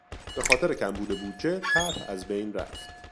به خاطر کمبود بودجه طرح از بین رفت.